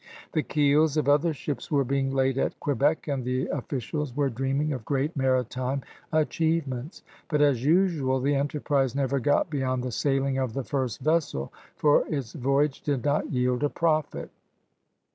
The keels of other ships were being laid at Quebec and the officials were dreaming of great maritime achievements. But as usual the enterprise never got beyond the sailing of the first vessel, for its voyage did not yield a profit.